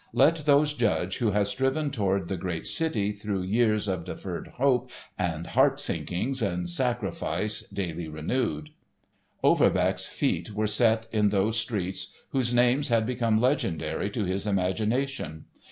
Let those judge who have striven toward the Great City through years of deferred hope and heart sinkings and sacrifice daily renewed. Overbeck's feet were set in those streets whose names had become legendary to his imagination.